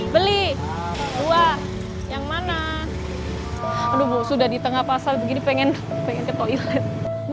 beli dua yang mana aduh sudah di tengah pasar begini pengen pengen ke toilet